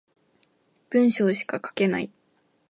文章しか書けない